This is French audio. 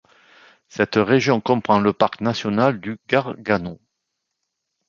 Cette région comprend le parc national du Gargano.